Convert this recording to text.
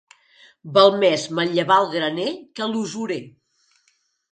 Val més manllevar al graner que a l'usurer.